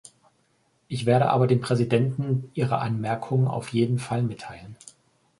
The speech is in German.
Ich werde aber dem Präsidenten Ihre Anmerkung auf jeden Fall mitteilen.